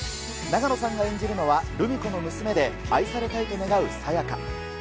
永野さんが演じるのは、ルミ子の娘で愛されたいと願うさやか。